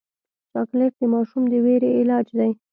چاکلېټ د ماشوم د ویرې علاج دی.